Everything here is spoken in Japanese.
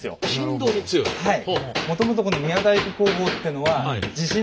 はい。